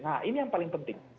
nah ini yang paling penting